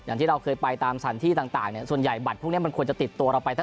อย่างที่เราเคยไปตามสถานที่ต่างเนี่ยส่วนใหญ่บัตรพวกนี้มันควรจะติดตัวเราไป